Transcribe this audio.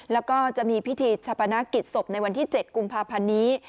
แล้วก็จะมีพิธีชะปนกิจศพในวันที่๗กุมภาพันธ์นี้